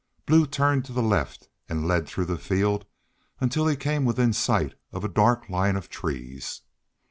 Blue turned to the left and led through the field until he came within sight of a dark line of trees.